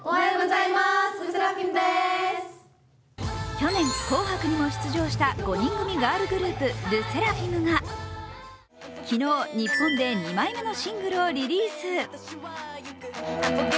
去年、「紅白」にも出場した５人組ガールグループ、昨日、日本で２枚目のシングルをリリース。